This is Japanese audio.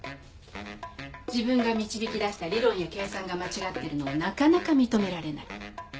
自分が導きだした理論や計算が間違ってるのをなかなか認められない。